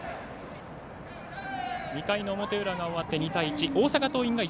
２回の表裏が終わって２対１。